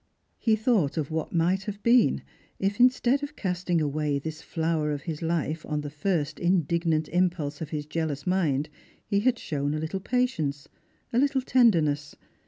He thought of what might have been if, instead of casting away this flower of his life on the first indignant impulse of his jealous mind, he had sho\vn a little patience, a little tenderness.